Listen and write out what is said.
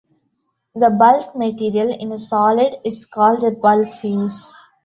The bulk material in a solid is called the Bulk phase.